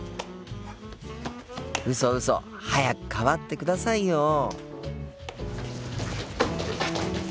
うそうそ早く代わってくださいよ。